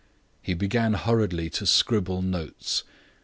He began hurriedly to scribble notes.